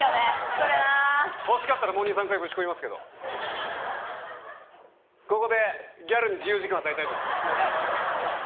それなほしかったらもう２３回ぶちこみますけどここでギャルに自由時間与えたいと思います